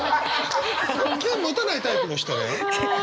剣持たないタイプの人ね？